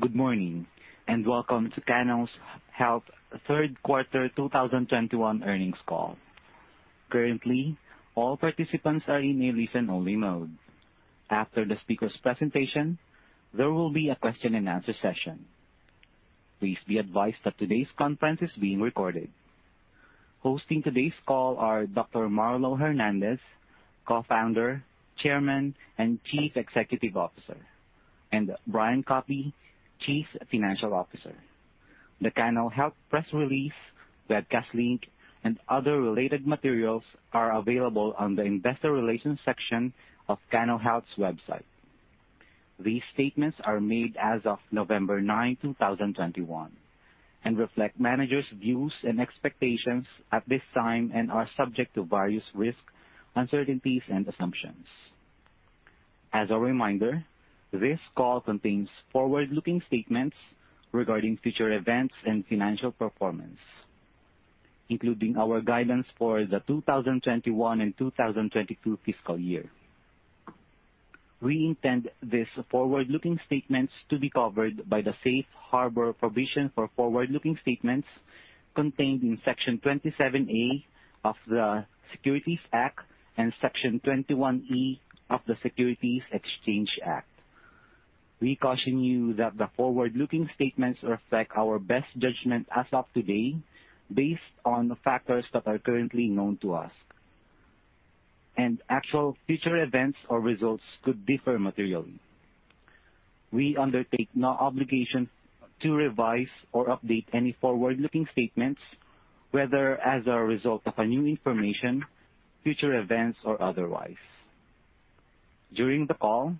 Good morning, and welcome to Cano Health third quarter 2021 earnings call. Currently, all participants are in a listen-only mode. After the speaker's presentation, there will be a question-and-answer session. Please be advised that today's conference is being recorded. Hosting today's call are Dr. Marlow Hernandez, Co-founder, Chairman, and Chief Executive Officer, and Brian Koppy, Chief Financial Officer. The Cano Health press release, webcast link, and other related materials are available on the investor relations section of Cano Health's website. These statements are made as of November 9, 2021, and reflect managers' views and expectations at this time and are subject to various risks, uncertainties and assumptions. As a reminder, this call contains forward-looking statements regarding future events and financial performance, including our guidance for the 2021 and 2022 fiscal year. We intend these forward-looking statements to be covered by the safe harbor provision for forward-looking statements contained in Section 27A of the Securities Act and Section 21E of the Securities Exchange Act. We caution you that the forward-looking statements reflect our best judgment as of today, based on factors that are currently known to us. Actual future events or results could differ materially. We undertake no obligation to revise or update any forward-looking statements, whether as a result of new information, future events, or otherwise. During the call,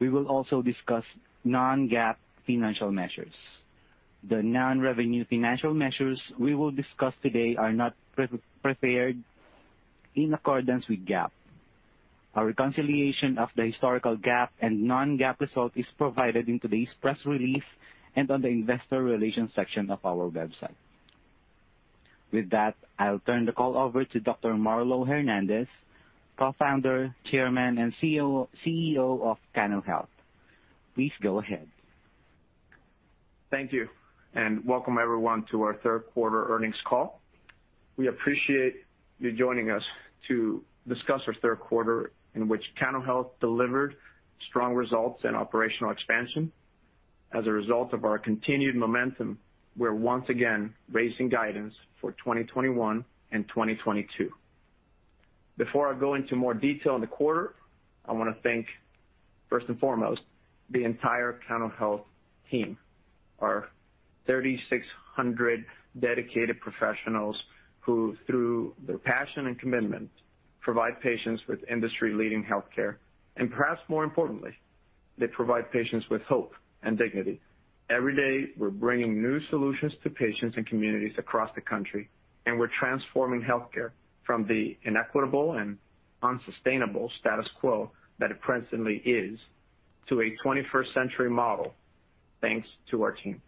we will also discuss non-GAAP financial measures. The non-GAAP financial measures we will discuss today are not prepared in accordance with GAAP. A reconciliation of the historical GAAP and non-GAAP results is provided in today's press release and on the investor relations section of our website. With that, I'll turn the call over to Dr. Marlow Hernandez, Co-founder, Chairman, and CEO of Cano Health. Please go ahead. Thank you. Welcome, everyone, to our third quarter earnings call. We appreciate you joining us to discuss our third quarter, in which Cano Health delivered strong results and operational expansion. As a result of our continued momentum, we're once again raising guidance for 2021 and 2022. Before I go into more detail on the quarter, I wanna thank, first and foremost, the entire Cano Health team, our 3,600 dedicated professionals, who through their passion and commitment, provide patients with industry-leading healthcare, and perhaps more importantly, they provide patients with hope and dignity. Every day, we're bringing new solutions to patients and communities across the country, and we're transforming healthcare from the inequitable and unsustainable status quo that it presently is to a 21st century model, thanks to our team.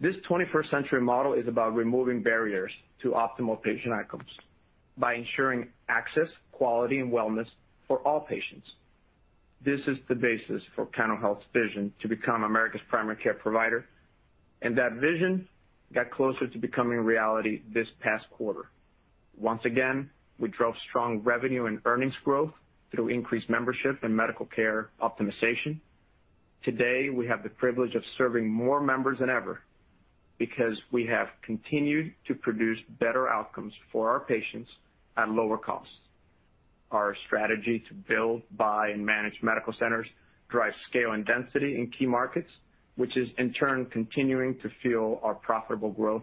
This 21st century model is about removing barriers to optimal patient outcomes by ensuring access, quality, and wellness for all patients. This is the basis for Cano Health's vision to become America's primary care provider, and that vision got closer to becoming a reality this past quarter. Once again, we drove strong revenue and earnings growth through increased membership and medical care optimization. Today, we have the privilege of serving more members than ever because we have continued to produce better outcomes for our patients at lower costs. Our strategy to build, buy, and manage medical centers drives scale and density in key markets, which is in turn continuing to fuel our profitable growth.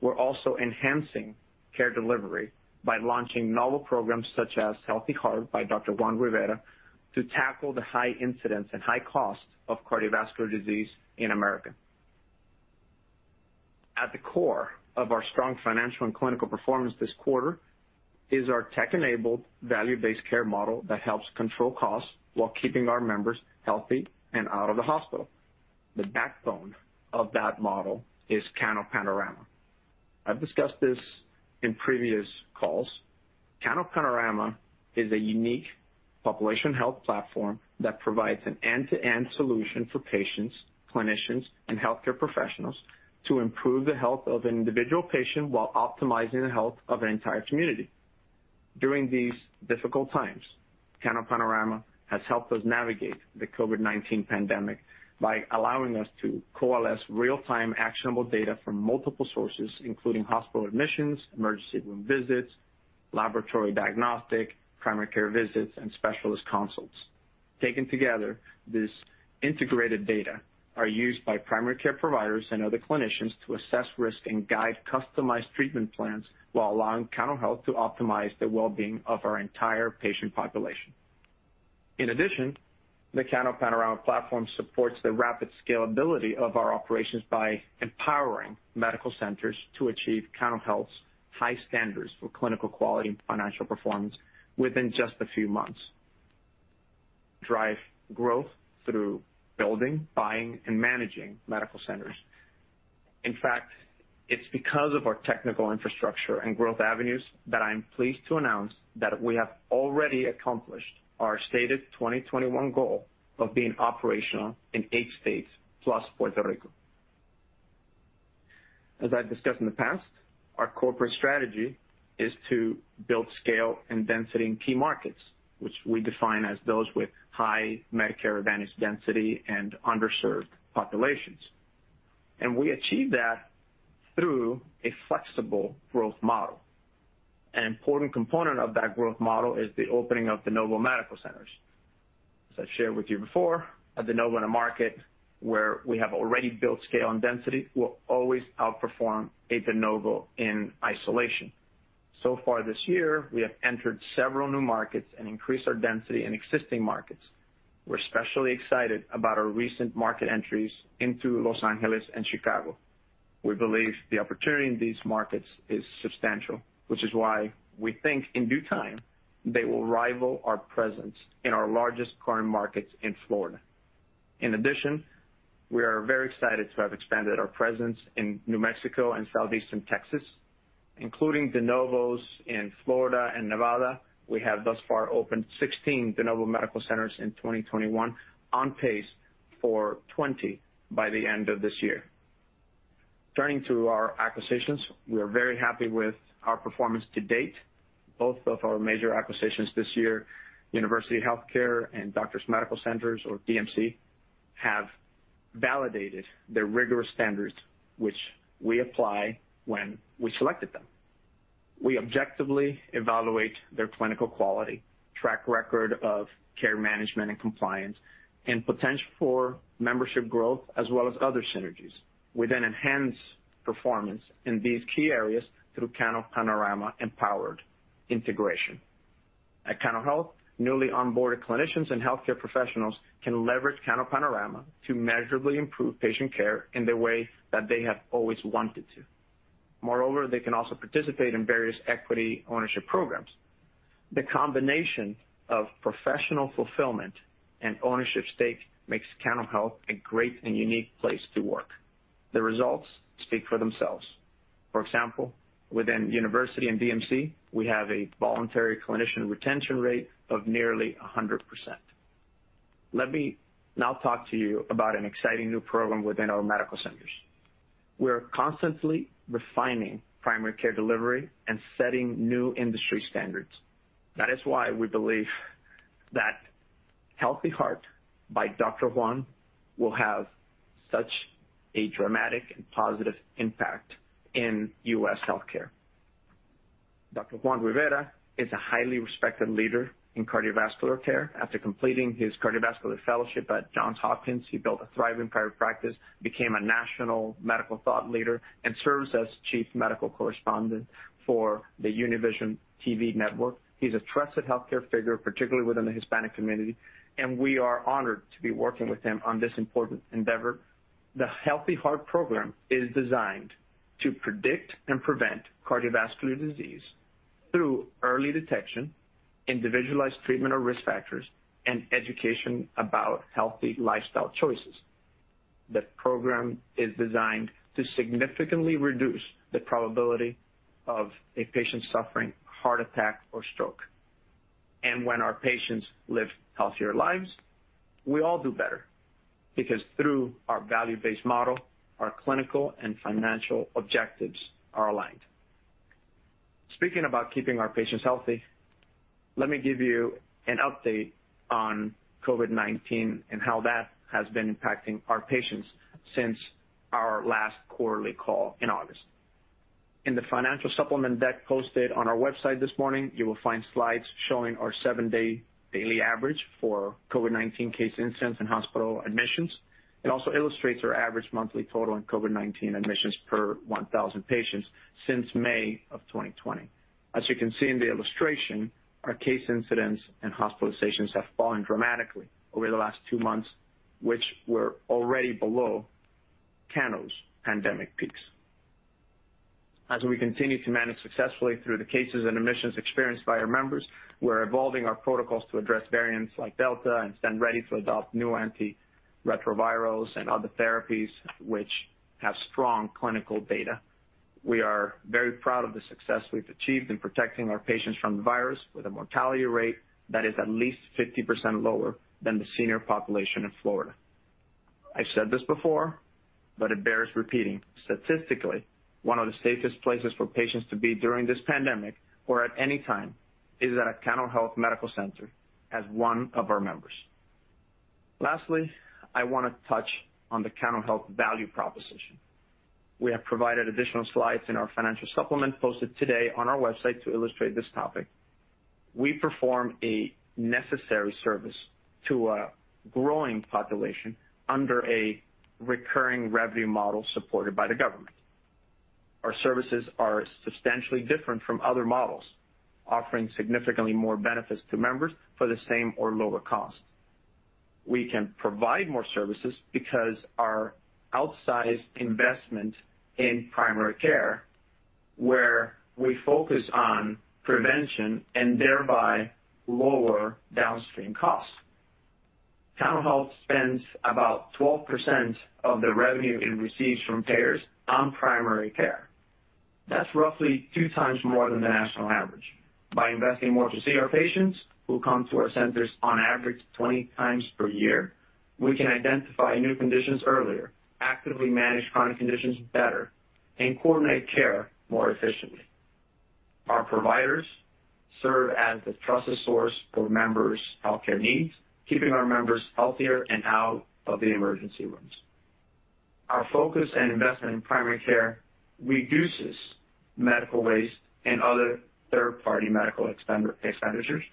We're also enhancing care delivery by launching novel programs such as Healthy Heart by Dr. Juan Rivera to tackle the high incidence and high cost of cardiovascular disease in America. At the core of our strong financial and clinical performance this quarter is our tech-enabled value-based care model that helps control costs while keeping our members healthy and out of the hospital. The backbone of that model is CanoPanorama. I've discussed this in previous calls. CanoPanorama is a unique population health platform that provides an end-to-end solution for patients, clinicians, and healthcare professionals to improve the health of an individual patient while optimizing the health of an entire community. During these difficult times, CanoPanorama has helped us navigate the COVID-19 pandemic by allowing us to coalesce real-time actionable data from multiple sources, including hospital admissions, emergency room visits, laboratory diagnostic, primary care visits, and specialist consults. Taken together, this integrated data are used by primary care providers and other clinicians to assess risk and guide customized treatment plans while allowing Cano Health to optimize the well-being of our entire patient population. In addition, the CanoPanorama platform supports the rapid scalability of our operations by empowering medical centers to achieve Cano Health's high standards for clinical quality and financial performance within just a few months. Drive growth through building, buying, and managing medical centers. In fact, it's because of our technical infrastructure and growth avenues that I'm pleased to announce that we have already accomplished our stated 2021 goal of being operational in eight states plus Puerto Rico. As I've discussed in the past, our corporate strategy is to build scale and density in key markets, which we define as those with high Medicare Advantage density and underserved populations. We achieve that through a flexible growth model. An important component of that growth model is the opening of de novo medical centers. As I've shared with you before, a de novo in a market where we have already built scale and density will always outperform a de novo in isolation. So far this year, we have entered several new markets and increased our density in existing markets. We're especially excited about our recent market entries into Los Angeles and Chicago. We believe the opportunity in these markets is substantial, which is why we think in due time, they will rival our presence in our largest current markets in Florida. In addition, we are very excited to have expanded our presence in New Mexico and Southeastern Texas, including de novos in Florida and Nevada. We have thus far opened 16 de novo medical centers in 2021, on pace for 20 by the end of this year. Turning to our acquisitions, we are very happy with our performance to date. Both of our major acquisitions this year, University Health Care and Doctors Medical Center or DMC, have validated the rigorous standards which we apply when we selected them. We objectively evaluate their clinical quality, track record of care management and compliance, and potential for membership growth, as well as other synergies. We then enhance performance in these key areas through CanoPanorama-empowered integration. At Cano Health, newly onboarded clinicians and healthcare professionals can leverage CanoPanorama to measurably improve patient care in the way that they have always wanted to. Moreover, they can also participate in various equity ownership programs. The combination of professional fulfillment and ownership stake makes Cano Health a great and unique place to work. The results speak for themselves. For example, within University and DMC, we have a voluntary clinician retention rate of nearly 100%. Let me now talk to you about an exciting new program within our medical centers. We're constantly refining primary care delivery and setting new industry standards. That is why we believe that Healthy Heart by Dr. Juan will have such a dramatic and positive impact in U.S. healthcare. Dr. Juan Rivera is a highly respected leader in cardiovascular care. After completing his cardiovascular fellowship at Johns Hopkins, he built a thriving private practice, became a national medical thought leader, and serves as chief medical correspondent for the Univision TV network. He's a trusted healthcare figure, particularly within the Hispanic community, and we are honored to be working with him on this important endeavor. The Healthy Heart program is designed to predict and prevent cardiovascular disease through early detection, individualized treatment of risk factors, and education about healthy lifestyle choices. The program is designed to significantly reduce the probability of a patient suffering heart attack or stroke. When our patients live healthier lives, we all do better because through our value-based model, our clinical and financial objectives are aligned. Speaking about keeping our patients healthy, let me give you an update on COVID-19 and how that has been impacting our patients since our last quarterly call in August. In the financial supplement deck posted on our website this morning, you will find slides showing our seven-day daily average for COVID-19 case incidence and hospital admissions. It also illustrates our average monthly total in COVID-19 admissions per 1,000 patients since May of 2020. As you can see in the illustration, our case incidence and hospitalizations have fallen dramatically over the last two months, which were already below Cano's pandemic peaks. As we continue to manage successfully through the cases and admissions experienced by our members, we're evolving our protocols to address variants like Delta and stand ready to adopt new antivirals and other therapies which have strong clinical data. We are very proud of the success we've achieved in protecting our patients from the virus with a mortality rate that is at least 50% lower than the senior population in Florida. I said this before, but it bears repeating. Statistically, one of the safest places for patients to be during this pandemic or at any time is at a Cano Health medical center as one of our members. Lastly, I wanna touch on the Cano Health value proposition. We have provided additional slides in our financial supplement posted today on our website to illustrate this topic. We perform a necessary service to a growing population under a recurring revenue model supported by the government. Our services are substantially different from other models, offering significantly more benefits to members for the same or lower cost. We can provide more services because our outsized investment in primary care, where we focus on prevention and thereby lower downstream costs. Cano Health spends about 12% of the revenue it receives from payers on primary care. That's roughly two times more than the national average. By investing more to see our patients who come to our centers on average 20 times per year, we can identify new conditions earlier, actively manage chronic conditions better, and coordinate care more efficiently. Our providers serve as the trusted source for members' healthcare needs, keeping our members healthier and out of the emergency rooms. Our focus and investment in primary care reduces medical waste and other third-party medical expenditures,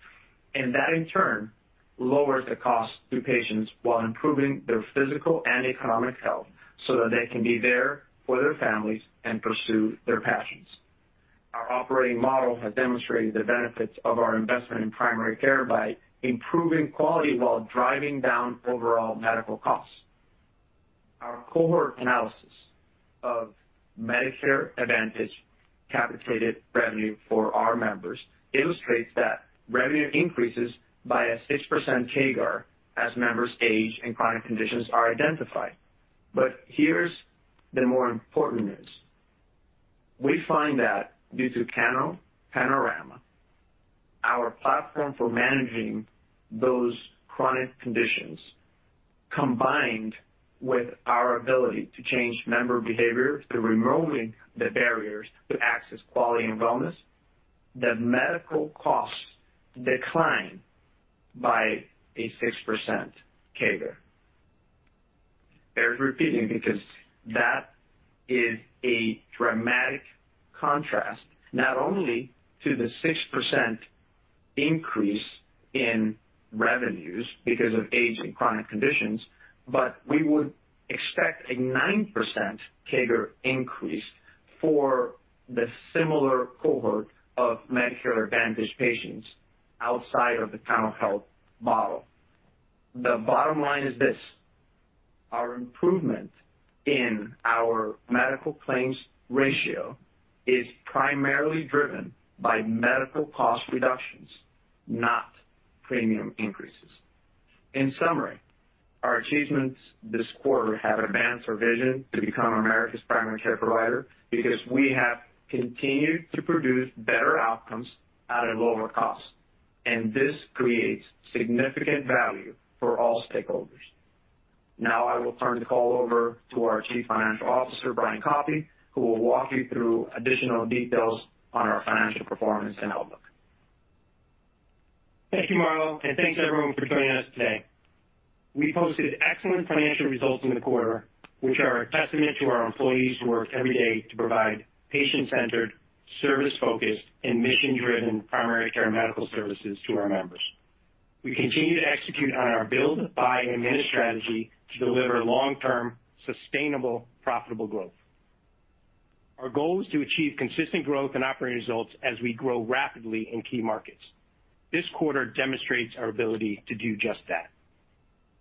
and that, in turn, lowers the cost to patients while improving their physical and economic health so that they can be there for their families and pursue their passions. Our operating model has demonstrated the benefits of our investment in primary care by improving quality while driving down overall medical costs. Our cohort analysis of Medicare Advantage capitated revenue for our members illustrates that revenue increases by a 6% CAGR as members age and chronic conditions are identified. Here's the more important news. We find that due to CanoPanorama, our platform for managing those chronic conditions, combined with our ability to change member behavior through removing the barriers to access quality and wellness, the medical costs decline by a 6% CAGR. Bears repeating because that is a dramatic contrast, not only to the 6% increase in revenues because of age and chronic conditions, but we would expect a 9% CAGR increase for the similar cohort of Medicare Advantage patients outside of the Cano Health model. The bottom line is this, our improvement in our medical claims ratio is primarily driven by medical cost reductions, not premium increases. In summary, our achievements this quarter have advanced our vision to become America's primary care provider because we have continued to produce better outcomes at a lower cost, and this creates significant value for all stakeholders. Now I will turn the call over to our Chief Financial Officer, Brian Koppy, who will walk you through additional details on our financial performance and outlook. Thank you, Marlow, and thanks everyone for joining us today. We posted excellent financial results in the quarter, which are a testament to our employees who work every day to provide patient-centered, service-focused, and mission-driven primary care medical services to our members. We continue to execute on our build, buy, and manage strategy to deliver long-term, sustainable, profitable growth. Our goal is to achieve consistent growth and operating results as we grow rapidly in key markets. This quarter demonstrates our ability to do just that.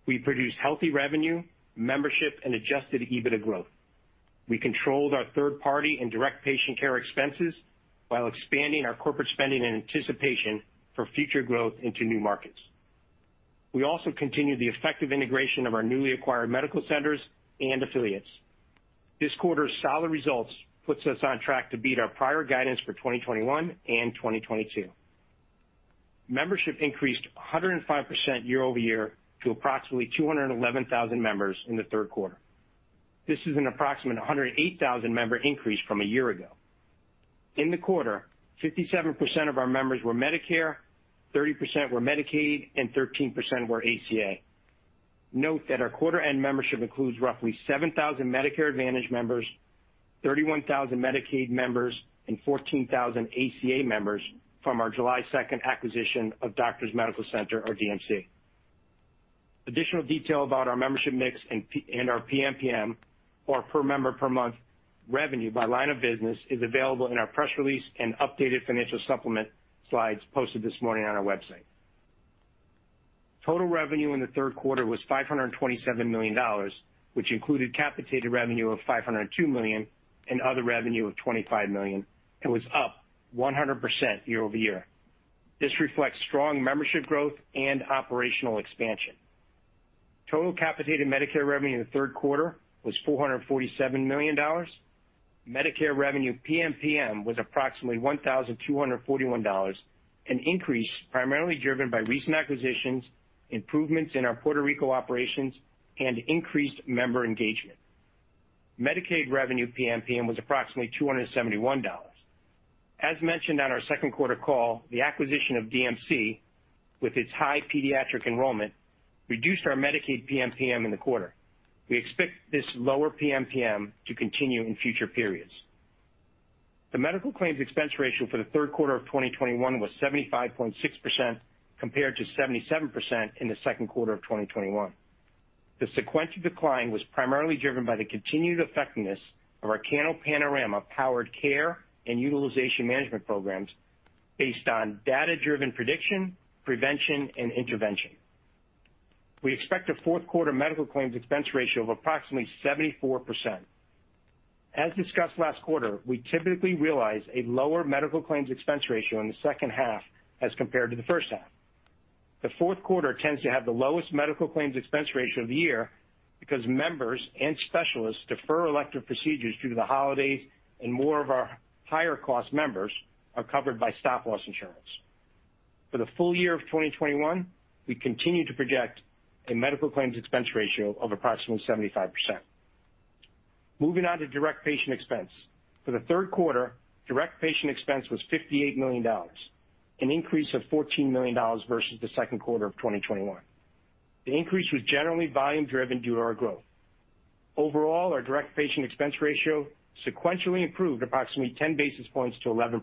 We produced healthy revenue, membership, and adjusted EBITDA growth. We controlled our third party and direct patient care expenses while expanding our corporate spending in anticipation for future growth into new markets. We also continued the effective integration of our newly acquired medical centers and affiliates. This quarter's solid results puts us on track to beat our prior guidance for 2021 and 2022. Membership increased 105% year-over-year to approximately 211,000 members in the third quarter. This is an approximate 108,000 member increase from a year ago. In the quarter, 57% of our members were Medicare, 30% were Medicaid, and 13% were ACA. Note that our quarter-end membership includes roughly 7,000 Medicare Advantage members, 31,000 Medicaid members, and 14,000 ACA members from our July 2 acquisition of Doctors Medical Center, or DMC. Additional detail about our membership mix and our PMPM, or our per member per month revenue by line of business, is available in our press release and updated financial supplement slides posted this morning on our website. Total revenue in the third quarter was $527 million, which included capitated revenue of $502 million and other revenue of $25 million, and was up 100% year-over-year. This reflects strong membership growth and operational expansion. Total capitated Medicare revenue in the third quarter was $447 million. Medicare revenue PMPM was approximately $1,241, an increase primarily driven by recent acquisitions, improvements in our Puerto Rico operations, and increased member engagement. Medicaid revenue PMPM was approximately $271. As mentioned on our second quarter call, the acquisition of DMC, with its high pediatric enrollment, reduced our Medicaid PMPM in the quarter. We expect this lower PMPM to continue in future periods. The medical claims expense ratio for the third quarter of 2021 was 75.6% compared to 77% in the second quarter of 2021. The sequential decline was primarily driven by the continued effectiveness of our CanoPanorama powered care and utilization management programs based on data-driven prediction, prevention, and intervention. We expect a fourth quarter medical claims expense ratio of approximately 74%. As discussed last quarter, we typically realize a lower medical claims expense ratio in the second half as compared to the first half. The fourth quarter tends to have the lowest medical claims expense ratio of the year because members and specialists defer elective procedures due to the holidays, and more of our higher cost members are covered by stop-loss insurance. For the full year of 2021, we continue to project a medical claims expense ratio of approximately 75%. Moving on to direct patient expense. For the third quarter, direct patient expense was $58 million, an increase of $14 million versus the second quarter of 2021. The increase was generally volume driven due to our growth. Overall, our direct patient expense ratio sequentially improved approximately 10 basis points to 11%.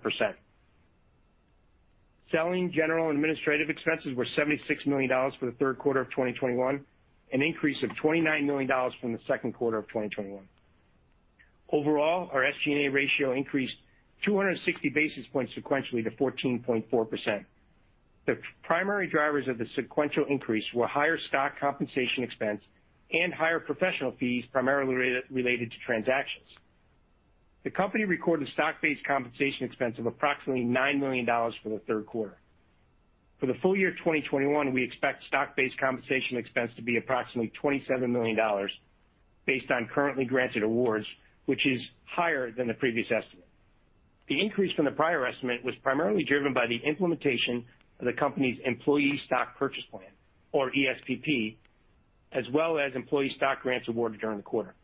Selling general and administrative expenses were $76 million for the third quarter of 2021, an increase of $29 million from the second quarter of 2021. Overall, our SG&A ratio increased 260 basis points sequentially to 14.4%. The primary drivers of the sequential increase were higher stock compensation expense and higher professional fees, primarily related to transactions. The company recorded stock-based compensation expense of approximately $9 million for the third quarter. For the full year 2021, we expect stock-based compensation expense to be approximately $27 million based on currently granted awards, which is higher than the previous estimate. The increase from the prior estimate was primarily driven by the implementation of the company's employee stock purchase plan or ESPP, as well as employee stock grants awarded during the quarter.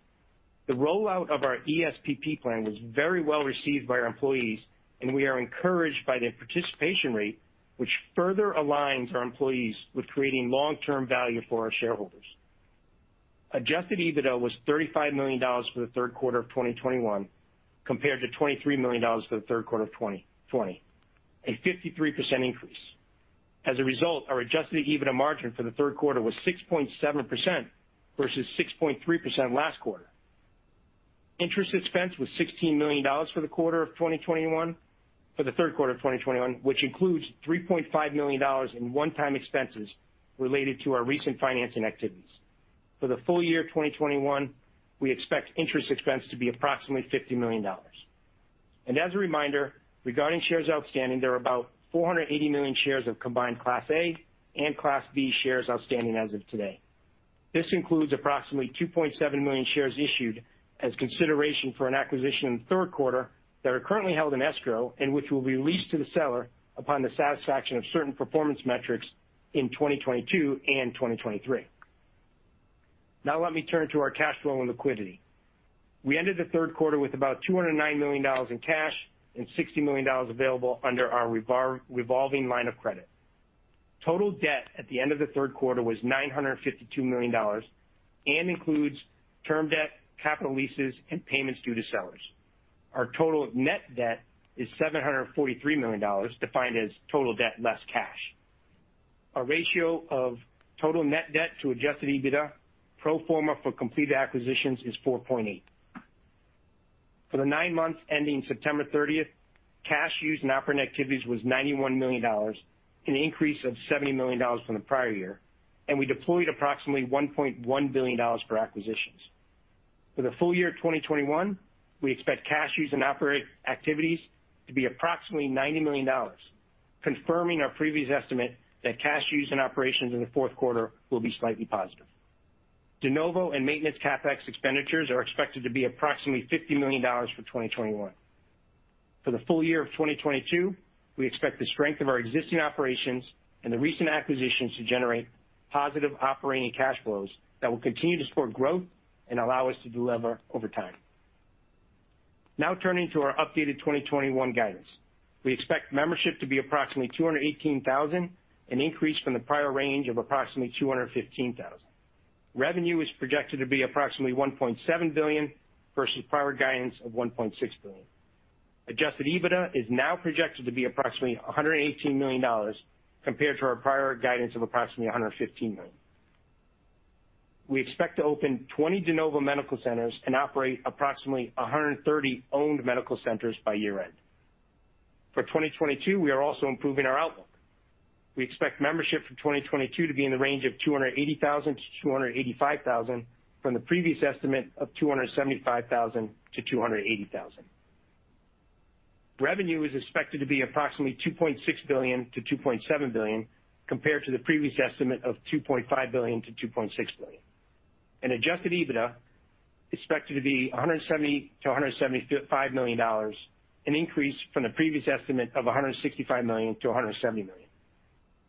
The rollout of our ESPP plan was very well received by our employees, and we are encouraged by the participation rate, which further aligns our employees with creating long-term value for our shareholders. Adjusted EBITDA was $35 million for the third quarter of 2021 compared to $23 million for the third quarter of 2020, a 53% increase. As a result, our adjusted EBITDA margin for the third quarter was 6.7% versus 6.3% last quarter. Interest expense was $16 million for the quarter of 2021, for the third quarter of 2021, which includes $3.5 million in one-time expenses related to our recent financing activities. For the full year 2021, we expect interest expense to be approximately $50 million. As a reminder, regarding shares outstanding, there are about 480 million shares of combined Class A and Class B shares outstanding as of today. This includes approximately 2.7 million shares issued as consideration for an acquisition in the third quarter that are currently held in escrow and which will be released to the seller upon the satisfaction of certain performance metrics in 2022 and 2023. Now let me turn to our cash flow and liquidity. We ended the third quarter with about $209 million in cash and $60 million available under our revolving line of credit. Total debt at the end of the third quarter was $952 million and includes term debt, capital leases, and payments due to sellers. Our total net debt is $743 million, defined as total debt less cash. Our ratio of total net debt to adjusted EBITDA pro forma for completed acquisitions is 4.8. For the nine months ending September 30th, cash used in operating activities was $91 million, an increase of $70 million from the prior year, and we deployed approximately $1.1 billion for acquisitions. For the full year 2021, we expect cash used in operating activities to be approximately $90 million, confirming our previous estimate that cash used in operations in the fourth quarter will be slightly positive. De novo and maintenance CapEx expenditures are expected to be approximately $50 million for 2021. For the full year of 2022, we expect the strength of our existing operations and the recent acquisitions to generate positive operating cash flows that will continue to support growth and allow us to delever over time. Now turning to our updated 2021 guidance. We expect membership to be approximately 218,000, an increase from the prior range of approximately 215,000. Revenue is projected to be approximately $1.7 billion versus prior guidance of $1.6 billion. Adjusted EBITDA is now projected to be approximately $118 million compared to our prior guidance of approximately $115 million. We expect to open 20 de novo medical centers and operate approximately 130 owned medical centers by year-end. For 2022, we are also improving our outlook. We expect membership for 2022 to be in the range of 280,000-285,000 from the previous estimate of 275,000-280,000. Revenue is expected to be approximately $2.6 billion-$2.7 billion, compared to the previous estimate of $2.5 billion-$2.6 billion. Adjusted EBITDA expected to be $170 million-$175 million, an increase from the previous estimate of $165 million-$170 million.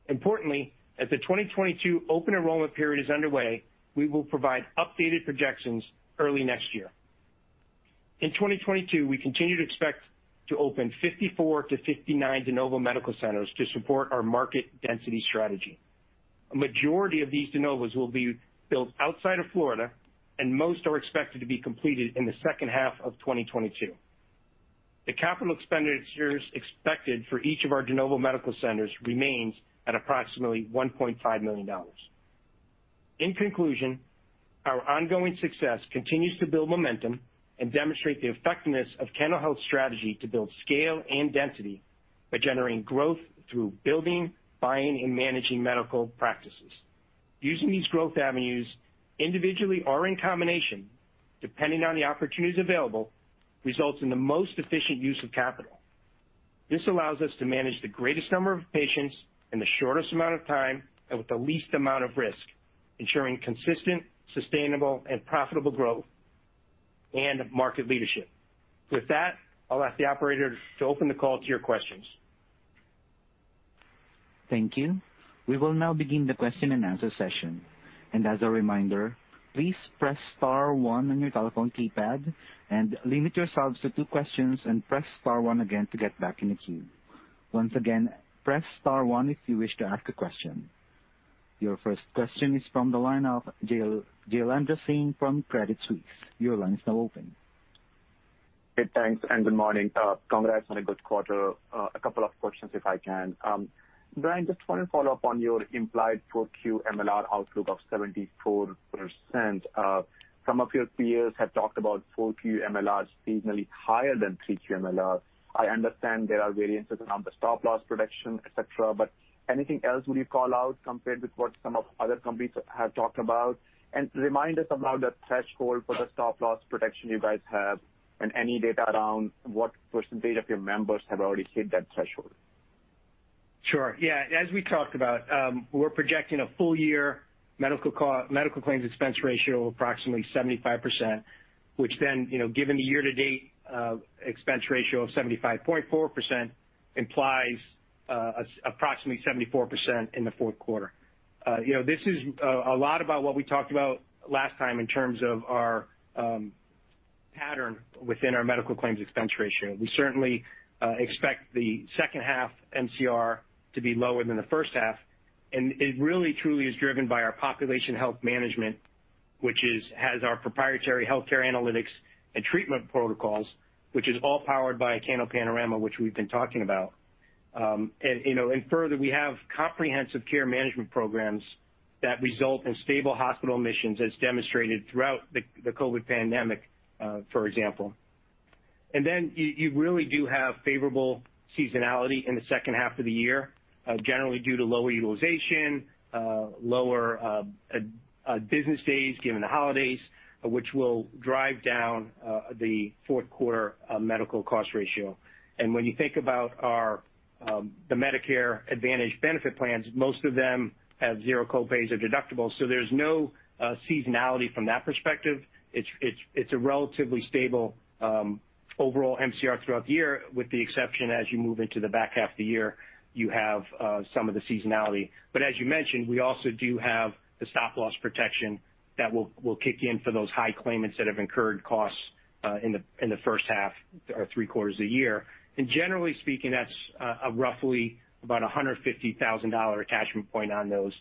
Importantly, as the 2022 open enrollment period is underway, we will provide updated projections early next year. In 2022, we continue to expect to open 54-59 de novo medical centers to support our market density strategy. A majority of these de novos will be built outside of Florida, and most are expected to be completed in the second half of 2022. The capital expenditures expected for each of our de novo medical centers remains at approximately $1.5 million. In conclusion, our ongoing success continues to build momentum and demonstrate the effectiveness of Cano Health's strategy to build scale and density by generating growth through building, buying, and managing medical practices. Using these growth avenues individually or in combination, depending on the opportunities available, results in the most efficient use of capital. This allows us to manage the greatest number of patients in the shortest amount of time and with the least amount of risk, ensuring consistent, sustainable, and profitable growth and market leadership. With that, I'll ask the operator to open the call to your questions. Thank you. We will now begin the question-and-answer session. As a reminder, please press star one on your telephone keypad and limit yourselves to two questions and press star one again to get back in the queue. Once again, press star one if you wish to ask a question. Your first question is from the line of Jailendra Singh from Credit Suisse. Your line is now open. Hey, thanks, and good morning. Congrats on a good quarter. A couple of questions, if I can. Brian, just wanna follow up on your implied full-year MLR outlook of 74%. Some of your peers have talked about full-year MLR seasonally higher than Q3 MLR. I understand there are variances around the stop loss protection, et cetera, but anything else would you call out compared with what some of the other companies have talked about? Remind us about the threshold for the stop loss protection you guys have and any data around what percentage of your members have already hit that threshold. Sure. Yeah, as we talked about, we're projecting a full year medical claims expense ratio of approximately 75%, which then, you know, given the year-to-date expense ratio of 75.4% implies approximately 74% in the fourth quarter. You know, this is a lot about what we talked about last time in terms of our pattern within our medical claims expense ratio. We certainly expect the second half MCR to be lower than the first half, and it really truly is driven by our population health management, which has our proprietary healthcare analytics and treatment protocols, which is all powered by CanoPanorama, which we've been talking about. Further, we have comprehensive care management programs that result in stable hospital admissions as demonstrated throughout the COVID-19 pandemic, for example. Then you really do have favorable seasonality in the second half of the year, generally due to lower utilization, lower business days given the holidays, which will drive down the fourth quarter medical cost ratio. When you think about our the Medicare Advantage benefit plans, most of them have zero co-pays or deductibles, so there's no seasonality from that perspective. It's a relatively stable overall MCR throughout the year, with the exception as you move into the back half of the year, you have some of the seasonality. As you mentioned, we also do have the stop loss protection that will kick in for those high claimants that have incurred costs in the first half or three quarters of the year. Generally speaking, that's roughly about $150,000 attachment point on those,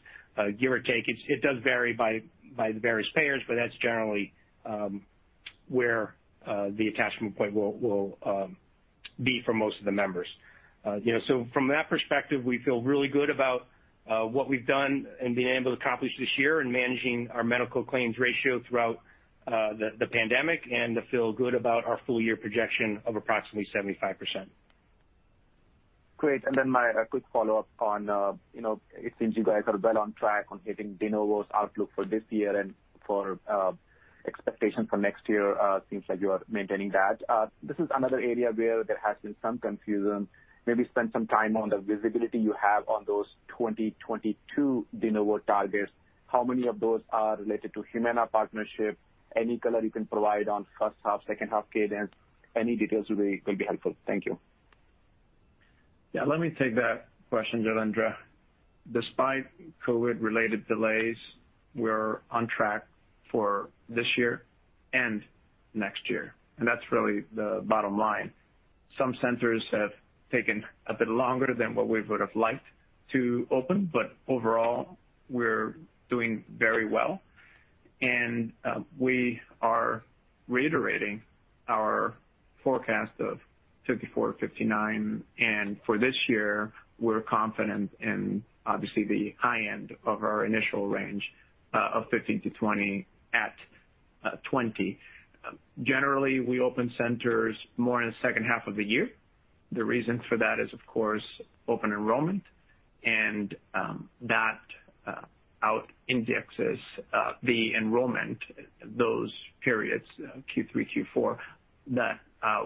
give or take. It does vary by the various payers, but that's generally where the attachment point will be for most of the members. You know, so from that perspective, we feel really good about what we've done and been able to accomplish this year in managing our medical claims ratio throughout the pandemic and feel good about our full year projection of approximately 75%. Great. My quick follow-up on, you know, it seems you guys are well on track on hitting de novo outlook for this year and for expectations for next year, seems like you are maintaining that. This is another area where there has been some confusion. Maybe spend some time on the visibility you have on those 2022 de novo targets. How many of those are related to Humana partnership? Any color you can provide on first half, second half cadence? Any details will be helpful. Thank you. Yeah, let me take that question, Jailendra. Despite COVID-related delays, we're on track for this year and next year, and that's really the bottom line. Some centers have taken a bit longer than what we would've liked to open, but overall, we're doing very well. We are reiterating our forecast of 54-59. For this year, we're confident in obviously the high end of our initial range of 15-20 at 20. Generally, we open centers more in the second half of the year. The reason for that is, of course, open enrollment and that outpaces the enrollment those periods, Q3, Q4, that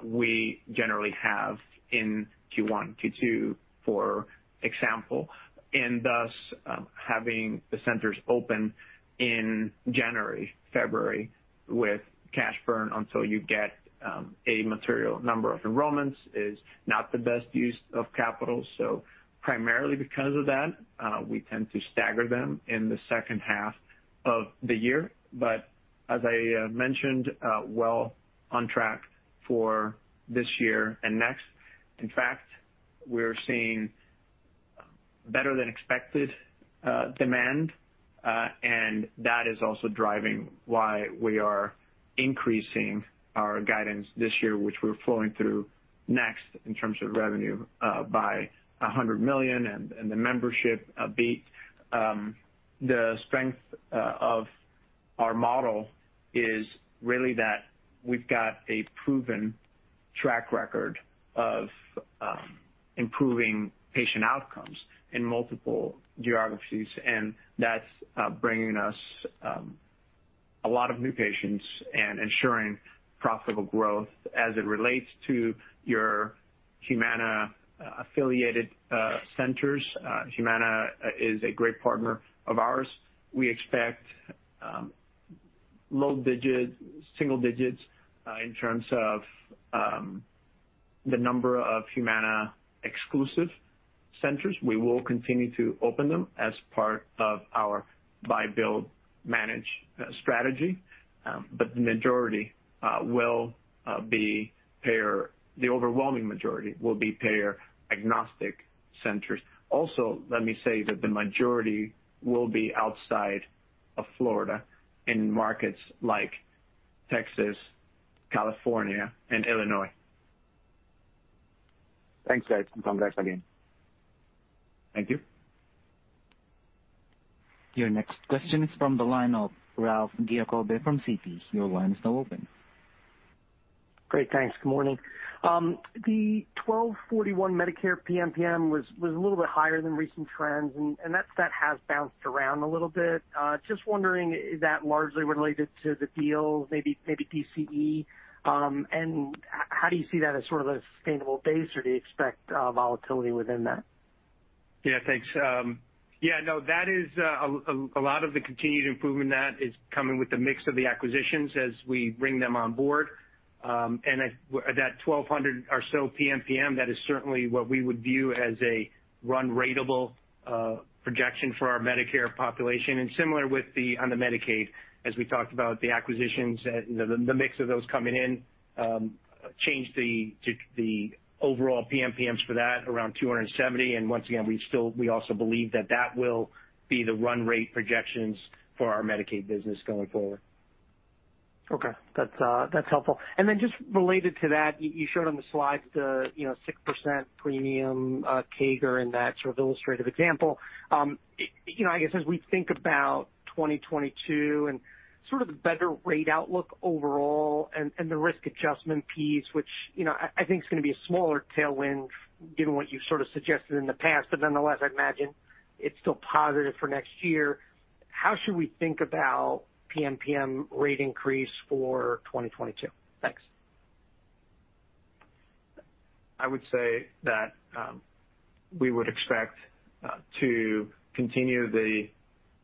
we generally have in Q1, Q2, for example. Thus, having the centers open in January, February with cash burn until you get a material number of enrollments is not the best use of capital. Primarily because of that, we tend to stagger them in the second half of the year. As I mentioned, we're well on track for this year and next. In fact, we're seeing better than expected demand, and that is also driving why we are increasing our guidance this year, which we're flowing through next in terms of revenue by $100 million and the membership beat. The strength of our model is really that we've got a proven track record of improving patient outcomes in multiple geographies, and that's bringing us a lot of new patients and ensuring profitable growth. As it relates to your Humana affiliated centers, Humana is a great partner of ours. We expect low single digits in terms of the number of Humana exclusive centers. We will continue to open them as part of our buy, build, manage strategy. The overwhelming majority will be payer-agnostic centers. Also, let me say that the majority will be outside of Florida in markets like Texas, California, and Illinois. Thanks, Hez, and congrats again. Thank you. Your next question is from the line of Ralph Giacobbe from Citi. Your line is now open. Great. Thanks. Good morning. The 12.41 Medicare PMPM was a little bit higher than recent trends, and that set has bounced around a little bit. Just wondering, is that largely related to the deals, maybe DCE? And how do you see that as sort of a sustainable base, or do you expect volatility within that? Yeah, thanks. Yeah, no, that is a lot of the continued improvement in that is coming with the mix of the acquisitions as we bring them on board. At that 1,200 or so PMPM, that is certainly what we would view as a run-rate projection for our Medicare population. Similar with the on the Medicaid, as we talked about the acquisitions and the mix of those coming in, change to the overall PMPMs for that around 270. Once again, we also believe that that will be the run rate projections for our Medicaid business going forward. Okay. That's helpful. Just related to that, you showed on the slide the you know 6% premium CAGR in that sort of illustrative example. It you know I guess as we think about 2022 and sort of the better rate outlook overall and the risk adjustment piece, which you know I think is gonna be a smaller tailwind given what you've sort of suggested in the past, but nonetheless, I'd imagine it's still positive for next year. How should we think about PMPM rate increase for 2022? Thanks. I would say that we would expect to continue the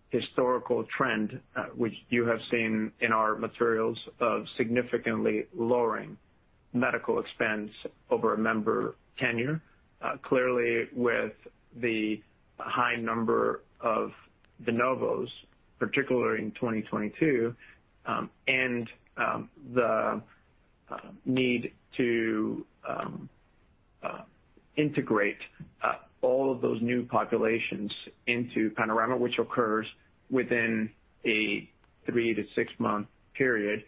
historical trend which you have seen in our materials of significantly lowering medical expense over a member tenure. Clearly, with the high number of de novos, particularly in 2022, and the need to integrate all of those new populations into CanoPanorama, which occurs within a three-six month period,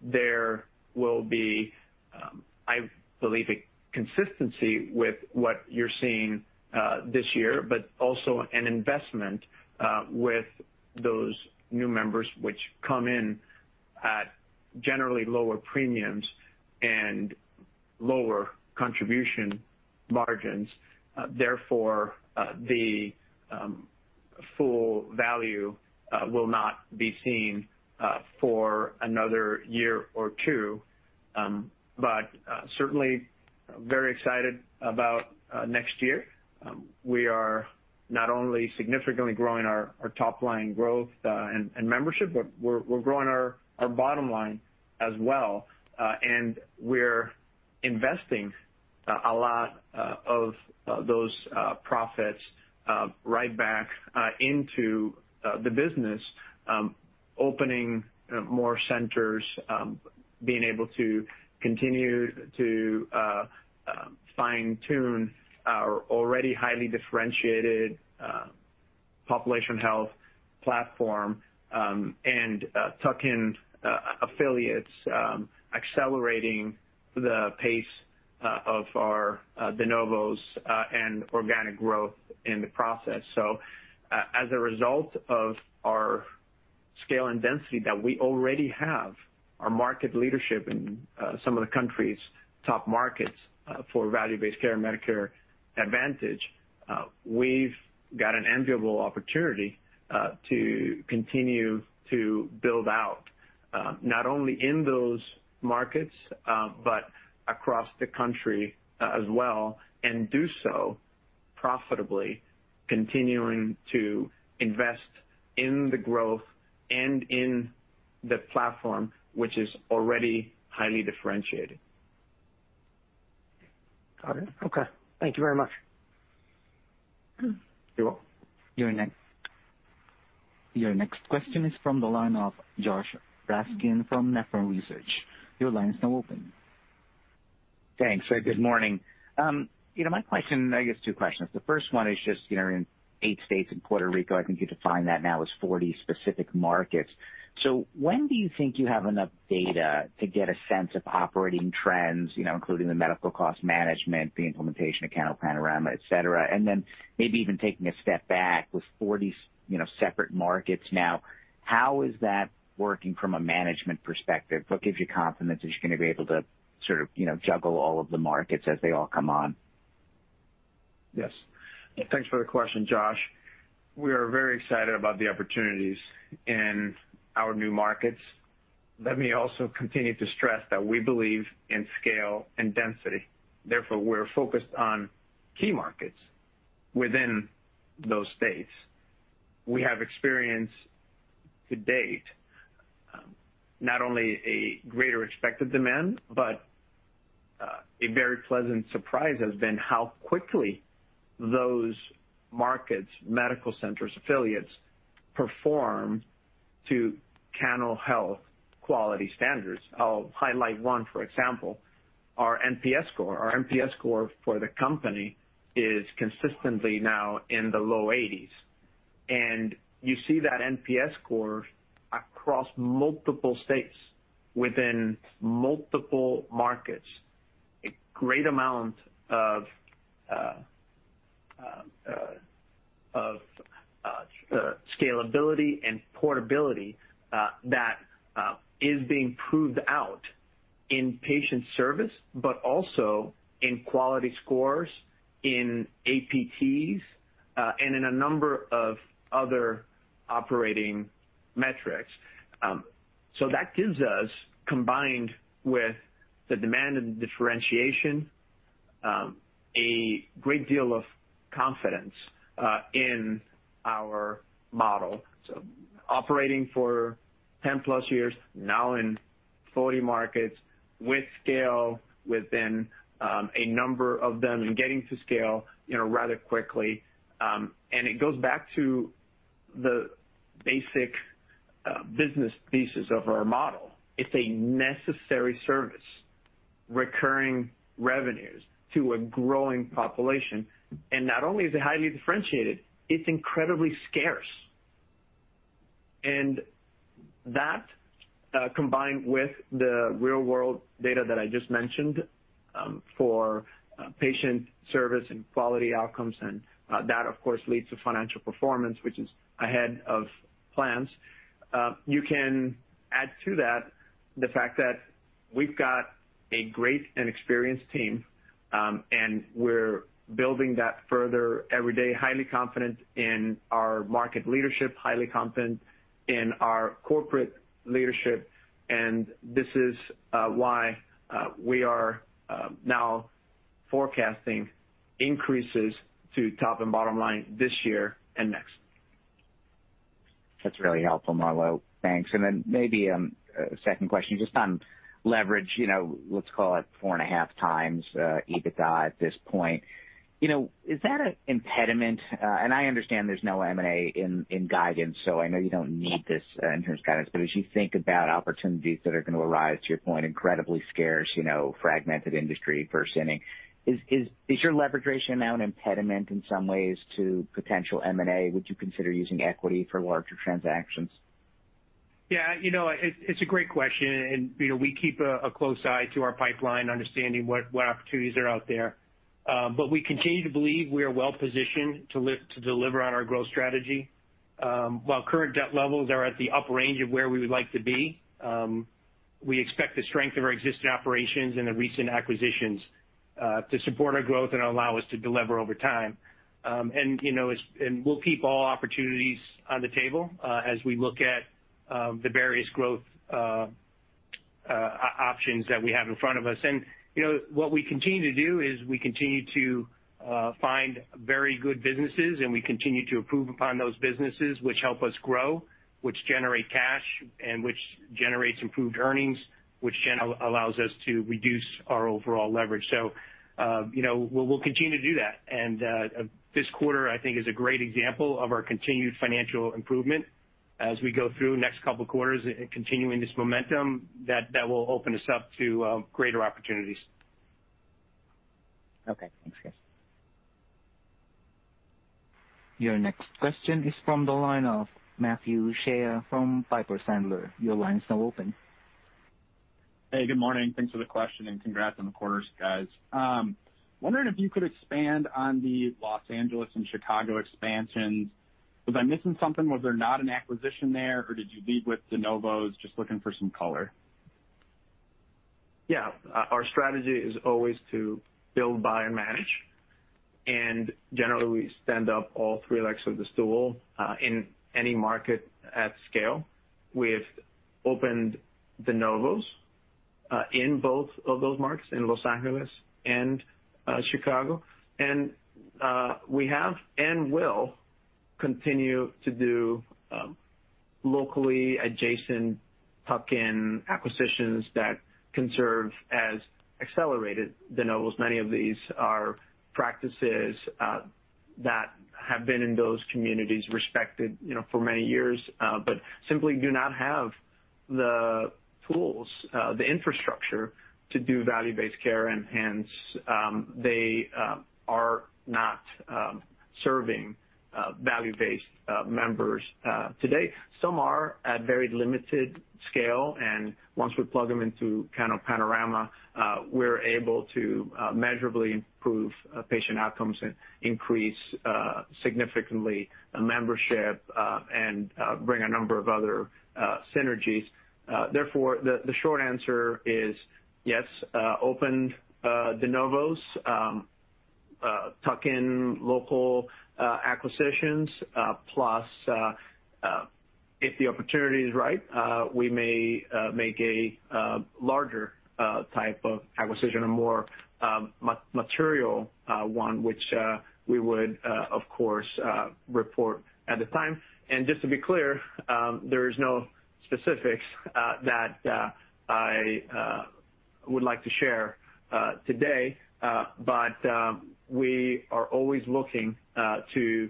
there will be, I believe, a consistency with what you're seeing this year, but also an investment with those new members which come in at generally lower premiums and lower contribution margins. Therefore, the full value will not be seen for another year or two. Certainly very excited about next year. We are not only significantly growing our top line growth and membership, but we're growing our bottom line as well. We're investing a lot of those profits right back into the business, opening more centers, being able to continue to fine-tune our already highly differentiated population health platform, and tuck in affiliates, accelerating the pace of our de novos and organic growth in the process. As a result of our scale and density that we already have, our market leadership in some of the country's top markets for value-based care Medicare Advantage, we've got an enviable opportunity to continue to build out not only in those markets, but across the country as well, and do so profitably, continuing to invest in the growth and in the platform, which is already highly differentiated. Got it. Okay. Thank you very much. You're welcome. Your next question is from the line of Josh Raskin from Nephron Research. Your line is now open. Thanks. Good morning. You know, my question, I guess two questions. The first one is just, you know, in eight states in Puerto Rico, I think you define that now as 40 specific markets. So when do you think you have enough data to get a sense of operating trends, you know, including the medical cost management, the implementation of CanoPanorama, et cetera? And then maybe even taking a step back with 40, you know, separate markets now, how is that working from a management perspective? What gives you confidence that you're gonna be able to sort of, you know, juggle all of the markets as they all come on? Yes. Thanks for the question, Josh. We are very excited about the opportunities in our new markets. Let me also continue to stress that we believe in scale and density. Therefore, we're focused on key markets within those states. We have experienced to date not only a greater expected demand, but a very pleasant surprise has been how quickly those markets, medical centers, affiliates perform to Cano Health quality standards. I'll highlight one, for example, our NPS score. Our NPS score for the company is consistently now in the low 80s, and you see that NPS score across multiple states within multiple markets. A great amount of scalability and portability that is being proved out in patient service, but also in quality scores, in APTs, and in a number of other operating metrics. That gives us, combined with the demand and differentiation, a great deal of confidence in our model. Operating for 10+ years now in 40 markets with scale within a number of them and getting to scale, you know, rather quickly. It goes back to the basic business thesis of our model. It's a necessary service, recurring revenues to a growing population. Not only is it highly differentiated, it's incredibly scarce. That, combined with the real-world data that I just mentioned, for patient service and quality outcomes, and that of course leads to financial performance, which is ahead of plans. You can add to that the fact that we've got a great and experienced team, and we're building that further every day. Highly confident in our market leadership, highly confident in our corporate leadership, and this is why we are now forecasting increases to top and bottom line this year and next. That's really helpful, Marlow. Thanks. Maybe a second question just on leverage, you know, let's call it 4.5x EBITDA at this point. You know, is that an impediment? I understand there's no M&A in guidance, so I know you don't need this in terms of guidance, but as you think about opportunities that are gonna arise, to your point, incredibly scarce, you know, fragmented industry first inning, is your leverage ratio now an impediment in some ways to potential M&A? Would you consider using equity for larger transactions? Yeah, you know, it's a great question. You know, we keep a close eye on our pipeline, understanding what opportunities are out there. But we continue to believe we are well positioned to deliver on our growth strategy. While current debt levels are at the upper range of where we would like to be, we expect the strength of our existing operations and the recent acquisitions to support our growth and allow us to deliver over time. You know, we'll keep all opportunities on the table, as we look at the various growth options that we have in front of us. You know, what we continue to do is we continue to find very good businesses, and we continue to improve upon those businesses which help us grow, which generate cash, and which generates improved earnings, which allows us to reduce our overall leverage. You know, we'll continue to do that. This quarter, I think, is a great example of our continued financial improvement as we go through next couple quarters and continuing this momentum, that will open us up to greater opportunities. Okay. Thanks, guys. Your next question is from the line of Matthew Shea from Piper Sandler. Your line is now open. Hey, good morning. Thanks for the question and congrats on the quarters, guys. Wondering if you could expand on the Los Angeles and Chicago expansions. Was I missing something? Was there not an acquisition there, or did you lead with de novos? Just looking for some color. Yeah. Our strategy is always to build, buy, and manage, and generally, we stand up all three legs of the stool in any market at scale. We've opened de novos in both of those markets, in Los Angeles and Chicago. We have and will continue to do locally adjacent tuck-in acquisitions that can serve as accelerated de novos. Many of these are practices that have been in those communities, respected, you know, for many years, but simply do not have the tools, the infrastructure to do value-based care, and hence, they are not serving value-based members today. Some are at very limited scale, and once we plug them into kind of CanoPanorama, we're able to measurably improve patient outcomes and increase significantly membership and bring a number of other synergies. Therefore, the short answer is yes, open de novos, tuck in local acquisitions, plus, if the opportunity is right, we may make a larger type of acquisition or more material one which we would of course report at the time. Just to be clear, there is no specifics that I would like to share today. We are always looking to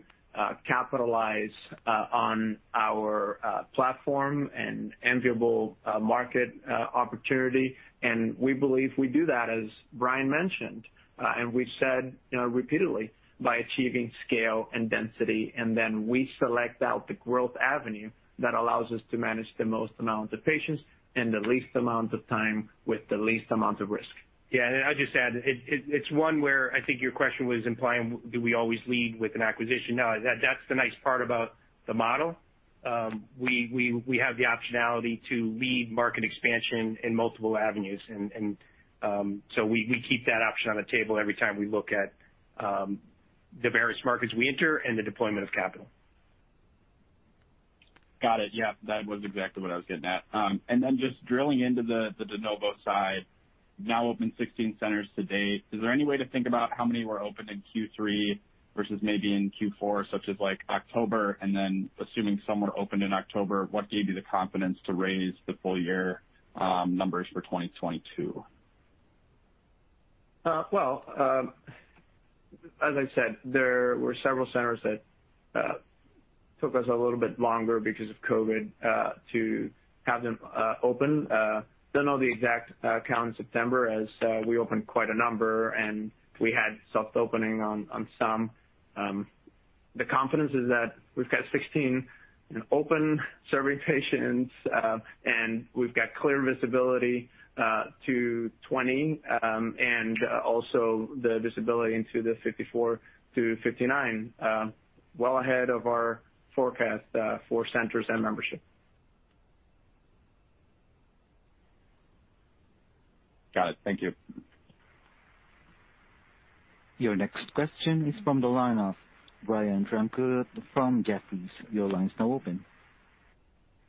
capitalize on our platform and enviable market opportunity. We believe we do that, as Brian mentioned, and we've said, you know, repeatedly, by achieving scale and density, and then we select out the growth avenue that allows us to manage the most amount of patients in the least amount of time with the least amount of risk. Yeah. I'll just add, it's one where I think your question was implying do we always lead with an acquisition? No. That's the nice part about the model. We have the optionality to lead market expansion in multiple avenues. So we keep that option on the table every time we look at the various markets we enter and the deployment of capital. Got it. Yeah, that was exactly what I was getting at. Then just drilling into the de novo side, now open 16 centers to date, is there any way to think about how many were opened in Q3 versus maybe in Q4, such as like October? Assuming some were opened in October, what gave you the confidence to raise the full year numbers for 2022? Well, as I said, there were several centers that took us a little bit longer because of COVID to have them open. I don't know the exact count in September as we opened quite a number, and we had soft opening on some. The confidence is that we've got 16 open serving patients, and we've got clear visibility to 20, and also the visibility into the 54-59, well ahead of our forecast for centers and membership. Got it. Thank you. Your next question is from the line of Brian Tanquilut from Jefferies. Your line is now open.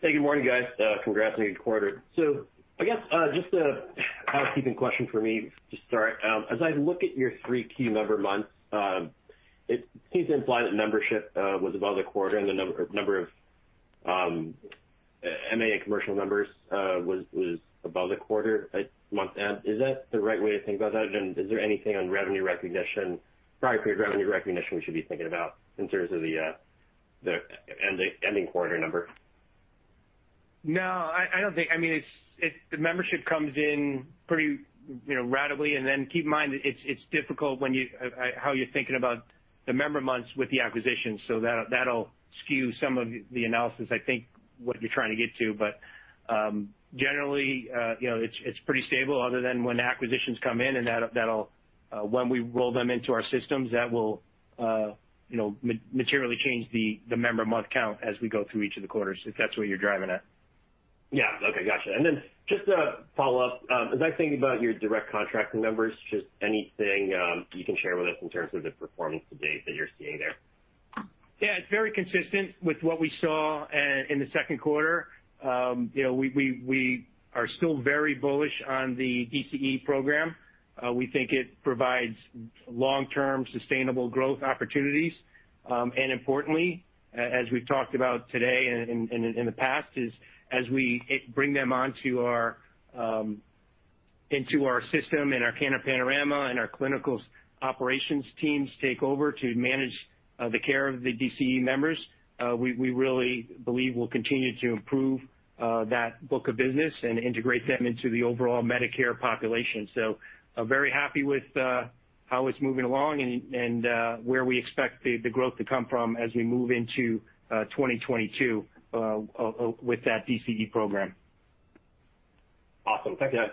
Hey, good morning, guys. Congrats on a good quarter. I guess just a housekeeping question for me to start. As I look at your three key member months, it seems to imply that membership was above the quarter and the number of MA and commercial members was above the quarter month end. Is that the right way to think about that? Is there anything on revenue recognition, prior period revenue recognition we should be thinking about in terms of the ending quarter number? No, I don't think. I mean, it's the membership comes in pretty, you know, ratably. Keep in mind, it's difficult how you're thinking about the member months with the acquisitions. That'll skew some of the analysis, I think, what you're trying to get to. Generally, you know, it's pretty stable other than when acquisitions come in and that'll when we roll them into our systems, that will, you know, materially change the member month count as we go through each of the quarters, if that's what you're driving at. Yeah. Okay. Gotcha. Just to follow up, as I think about your direct contracting numbers, just anything you can share with us in terms of the performance to date that you're seeing there? Yeah. It's very consistent with what we saw in the second quarter. You know, we are still very bullish on the DCE program. We think it provides long-term sustainable growth opportunities. Importantly, as we've talked about today and in the past, as we bring them into our system and our kind of CanoPanorama and our clinical operations teams take over to manage the care of the DCE members, we really believe we'll continue to improve that book of business and integrate them into the overall Medicare population. I'm very happy with how it's moving along and where we expect the growth to come from as we move into 2022 with that DCE program. Awesome. Thank you.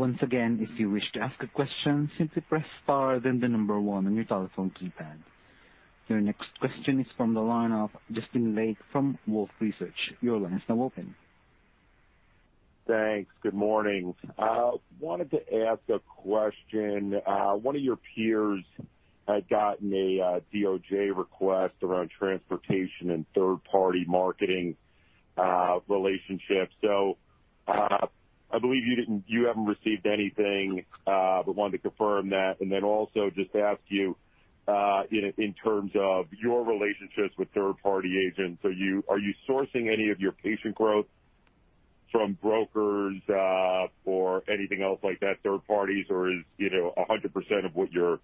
Once again, if you wish to ask a question, simply press star then the number one on your telephone keypad. Your next question is from the line of Justin Lake from Wolfe Research. Your line is now open. Thanks. Good morning. Wanted to ask a question. One of your peers had gotten a DOJ request around transportation and third party marketing relationships. I believe you didn't, you haven't received anything, but wanted to confirm that. Also just ask you know, in terms of your relationships with third party agents, are you sourcing any of your patient growth from brokers, or anything else like that, third parties? Or is, you know, 100%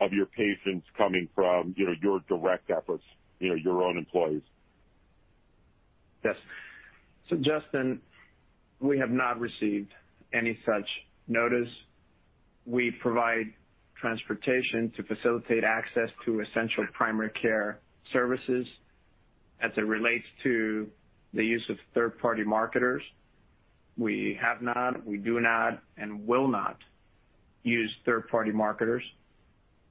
of your patients coming from, you know, your direct efforts, you know, your own employees? Yes. Justin, we have not received any such notice. We provide transportation to facilitate access to essential primary care services. As it relates to the use of third-party marketers, we have not, we do not, and will not use third-party marketers.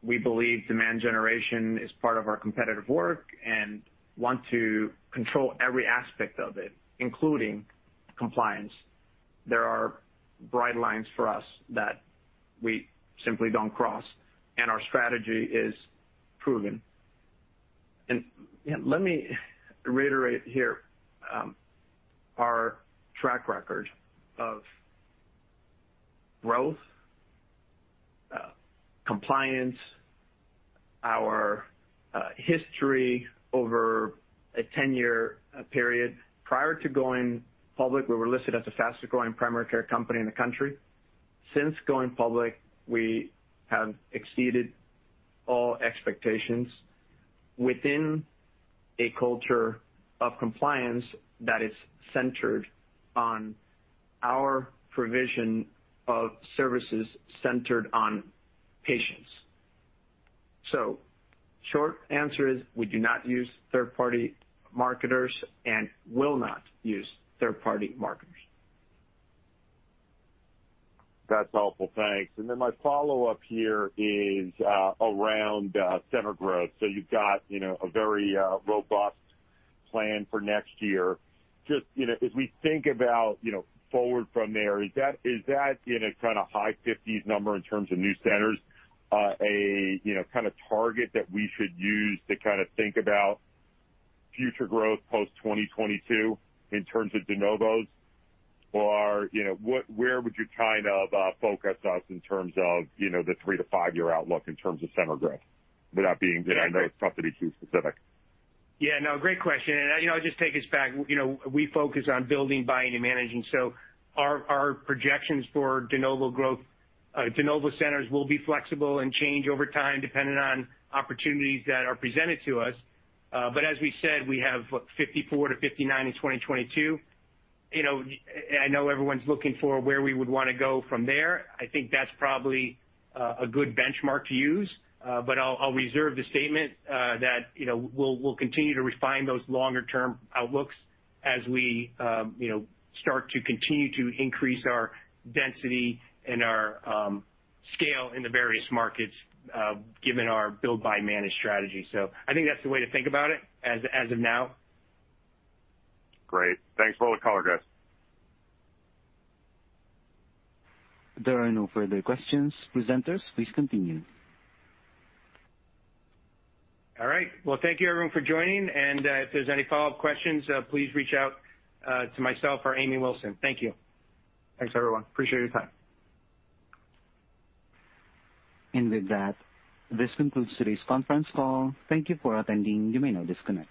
We believe demand generation is part of our competitive work and want to control every aspect of it, including compliance. There are bright lines for us that we simply don't cross, and our strategy is proven. Let me reiterate here, our track record of growth, compliance, our history over a 10-year period. Prior to going public, we were listed as the fastest-growing primary care company in the country. Since going public, we have exceeded all expectations within a culture of compliance that is centered on our provision of services centered on patients. Short answer is we do not use third-party marketers and will not use third-party marketers. That's helpful. Thanks. My follow-up here is around center growth. You've got, you know, a very robust plan for next year. Just, you know, as we think about, you know, forward from there, is that in a kind of high 50s number in terms of new centers, you know, kind of target that we should use to kind of think about future growth post-2022 in terms of de novos? Or, you know, where would you kind of focus us in terms of, you know, the three-five year outlook in terms of center growth? Without being, I know it's probably too specific. Yeah, no, great question. You know, I'll just take us back. You know, we focus on building, buying, and managing. Our projections for de novo growth, de novo centers will be flexible and change over time depending on opportunities that are presented to us. As we said, we have 54-59 in 2022. You know, I know everyone's looking for where we would wanna go from there. I think that's probably a good benchmark to use. I'll reserve the statement that, you know, we'll continue to refine those longer-term outlooks as we, you know, start to continue to increase our density and our scale in the various markets, given our build-buy-manage strategy. I think that's the way to think about it as of now. Great. Thanks for all the color, guys. There are no further questions. Presenters, please continue. All right. Well, thank you everyone for joining. If there's any follow-up questions, please reach out to myself or Amy Wilson. Thank you. Thanks, everyone. Appreciate your time. With that, this concludes today's conference call. Thank you for attending. You may now disconnect.